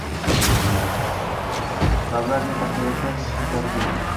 mavlaviya tariqati soʼfilariday